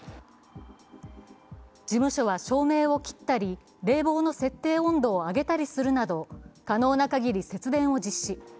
事務所は照明を切ったり、冷房の設定温度を上げたりするなど可能な限り節電を実施。